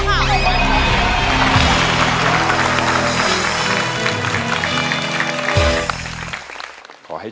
ไม่ใช้ครับ